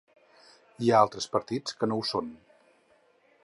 Hi ha altres partits que no ho són.